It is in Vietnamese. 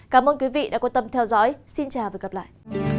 cảm ơn quý vị đã quan tâm theo dõi xin chào và hẹn gặp lại